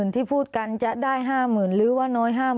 ที่พูดกันจะได้๕๐๐๐หรือว่าน้อย๕๐๐๐